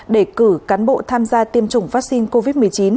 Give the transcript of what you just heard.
để cử cán bộ tham gia tiêm chủng vaccine covid một mươi chín